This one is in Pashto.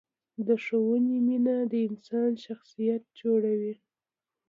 د ښوونې مینه د انسان شخصیت جوړوي.